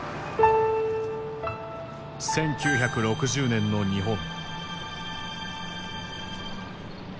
１９６０年の日本。